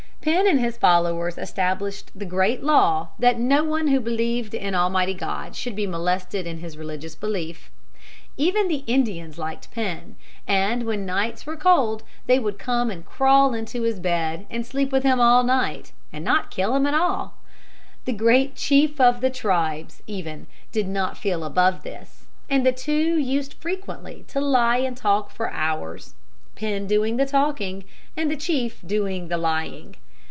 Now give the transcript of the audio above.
Penn and his followers established the great law that no one who believed in Almighty God should be molested in his religious belief. Even the Indians liked Penn, and when the nights were cold they would come and crawl into his bed and sleep with him all night and not kill him at all. The Great Chief of the Tribes, even, did not feel above this, and the two used frequently to lie and talk for hours, Penn doing the talking and the chief doing the lying.